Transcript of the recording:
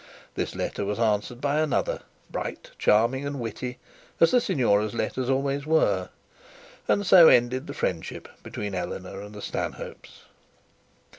This letter was answered by another, bright, charming, and witty, as the signora's always were; and so ended the friendship between Eleanor and the Stanhopes.